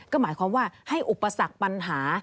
ก็หมายความว่าให้อุปสรรคปัญหา